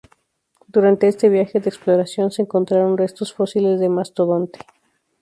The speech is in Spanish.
Durante este viaje de exploración, se encontraron restos fósiles de mastodonte.